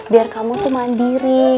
biar kamu tuh mandiri